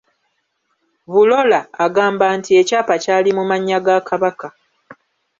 Bulola agamba nti ekyapa kyali mu mannya ga Kabaka